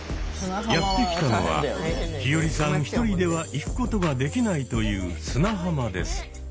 やって来たのは陽葵さん一人では行くことができないという砂浜です。